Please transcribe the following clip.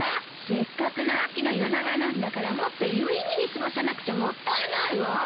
せっかくの秋の夜長なんだからもっと有意義に過ごさなくちゃもったいないわ。